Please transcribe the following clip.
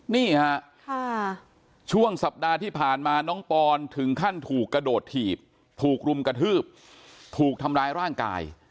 นี่ฮะช่วงสัปดาห์ที่ผ่านมาน้องปอนถึงขั้นถูกกระโดดถีบถูกรุมกระทืบถูกทำร้ายร่างกาย